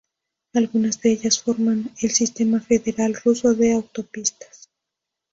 Algunas de ellas forman el sistema federal ruso de autopistas.